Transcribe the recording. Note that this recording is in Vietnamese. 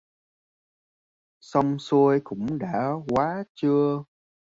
Xong xuôi cũng đã quá trưa